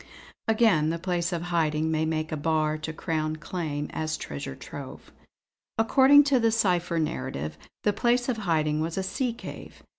"Again, the place of hiding may make a bar to Crown claim as treasure trove. According to the cipher narrative the place of hiding was a sea cave.